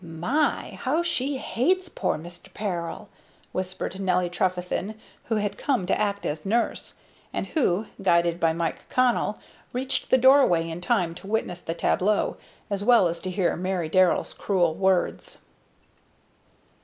"My! How she hates poor Mr. Peril!" whispered Nelly Trefethen, who had come to act as nurse, and who, guided by Mike Connell, reached the doorway in time to witness the tableau, as well as to hear Mary Darrell's cruel words.